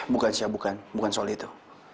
bukan siapa bukan bukan soal itu